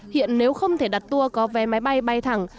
hiện nếu không thể đặt tour có vé máy bay bay thẳng